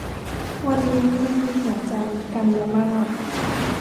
วันนี้ยังมีหัวใจ - กันยามาส